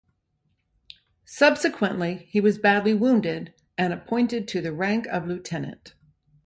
Subsequently he was badly wounded and appointed to the rank of lieutenant.